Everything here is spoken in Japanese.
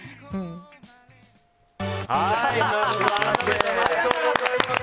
改めておめでとうございます！